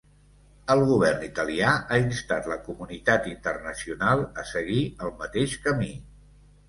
El govern italià ha instat la comunitat internacional a seguir el mateix camí.